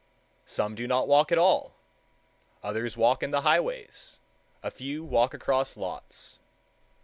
Some do not walk at all; others walk in the highways; a few walk across lots.